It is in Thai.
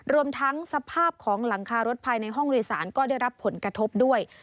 รวมทั้งสภาพของหลังคารถภายในห้องโดยสารก็ได้รับผลกระทบด้วย